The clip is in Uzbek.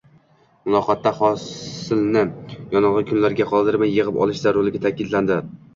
Muloqotda hosilni yogʻinli kunlarga qoldirmay yigʻib olish zarurligi taʼkidlandi.